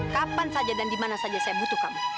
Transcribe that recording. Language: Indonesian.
kapan saja dan dimana saja saya butuh kamu